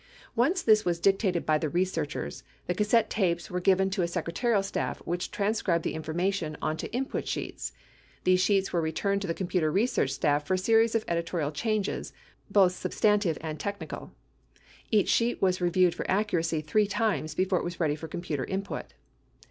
Once this was dictated by the researchers, the cassette tapes were given to a secretarial staff which transcribed the information onto "input sheets." These sheets were returned to the computer research staff for a series of editorial changes, both substantive and technical. Each sheet was reviewed for accuracy three times before it was ready for computer input.